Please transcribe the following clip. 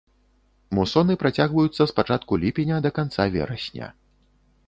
Мусоны працягваюцца з пачатку ліпеня да канца верасня.